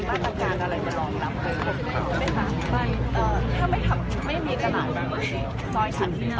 ตลาดมันทำไม่ได้แต่เพราะเขาอ่าเพราะว่าเราต้องมองต้องหาสถานที่เอาตลาดออกไป